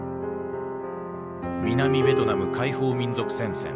南ベトナム解放民族戦線